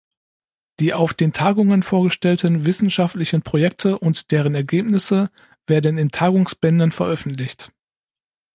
Die auf den Tagungen vorgestellten wissenschaftlichen Projekte und deren Ergebnisse werden in Tagungsbänden veröffentlicht.